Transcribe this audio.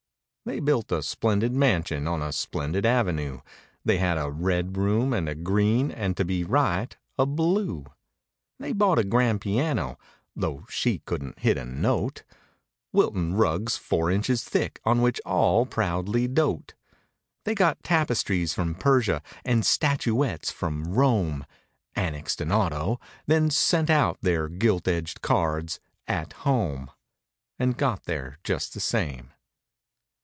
They built a splendid mansion on a splendid avenue. They had a "red" room and a "green" and to be right, a "blue." ^ They bought a grand piano (though she couldn't hit a note) Wilton rugs four inches thick on which all proudly dote. They got tapestries from Persia and statuettes from Rome, Annexed an auto—then sent out their gilt edged cards—"At home." And got there just the same.